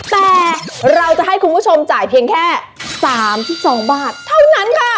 แต่เราจะให้คุณผู้ชมจ่ายเพียงแค่๓๒บาทเท่านั้นค่ะ